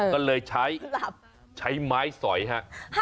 ก็เลยใช้ใช้ไม้สอยฮะ